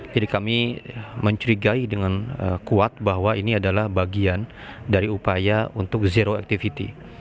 jadi kami mencurigai dengan kuat bahwa ini adalah bagian dari upaya untuk zero activity